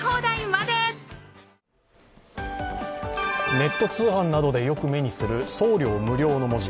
ネット通販などでよく目にする送料無料の文字。